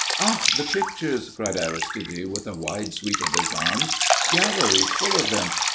"Ah! the pictures," cried Aristide, with a wide sweep of his arms. "Galleries full of them.